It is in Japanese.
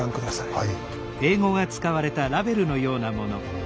はい。